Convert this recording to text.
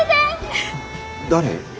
誰？